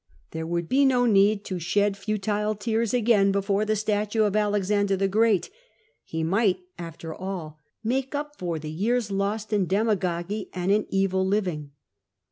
There would be no need to shed futile tears again before the statue of Alexander the Great ; he might, after all, make up for the years lost in demagogy and in evil living.